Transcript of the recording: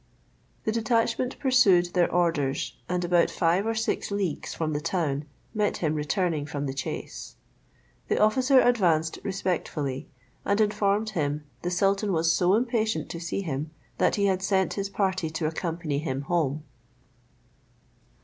The detachment pursued their orders; and about five or six leagues from the town met him returning from the chase. The officer advanced respectfully, and informed him the sultan was so impatient to see him, that he had sent his party to accompany him home.